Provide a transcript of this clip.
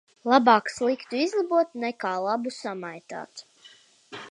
Labāk sliktu izlabot nekā labu samaitāt.